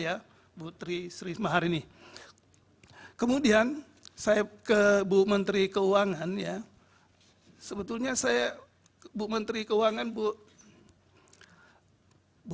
ya bu trima hari ini kemudian saya ke bu menteri keuangan ya sebetulnya saya ke bu menteri keuangan bu